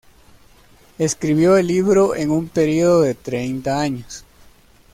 Escribió el libro en un periodo de treinta años.